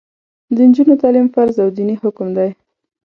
د نجونو تعلیم فرض او دیني حکم دی.